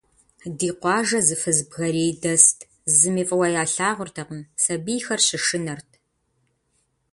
Ди къуажэ зы фыз бгэрей дэст, зыми фӏыуэ ялъагъуртэкъым, сабийхэр щышынэрт.